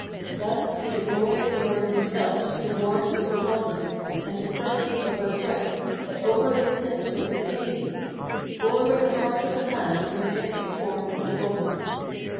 Thus he the glorious burden felt, the warmth of her bosom, And the perfume of her breath, that over his lips was exhaling; Bore with the heart of a man the majestic form of the woman.